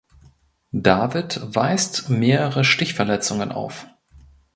David weist mehrere Stichverletzungen auf.